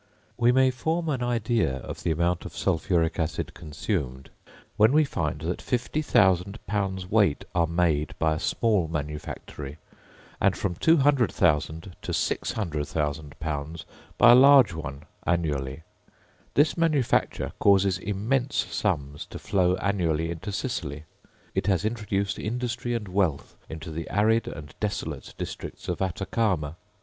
We may form an idea of the amount of sulphuric acid consumed, when we find that 50,000 pounds weight are made by a small manufactory, and from 200,000 to 600,000 pounds by a large one annually. This manufacture causes immense sums to flow annually into Sicily. It has introduced industry and wealth into the arid and desolate districts of Atacama.